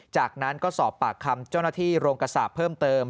จากนั้นก็สอบปากคำเจ้าหน้าที่โรงกระสาปเพิ่มเติม